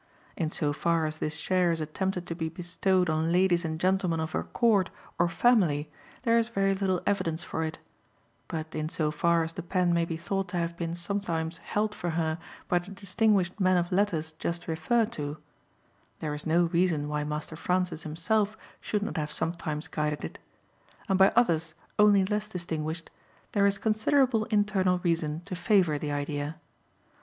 In so far as this share is attempted to be bestowed on ladies and gentlemen of her Court or family there is very little evidence for it; but in so far as the pen may be thought to have been sometimes held for her by the distinguished men of letters just referred to (there is no reason why Master Francis himself should not have sometimes guided it), and by others only less distinguished, there is considerable internal reason to favour the idea.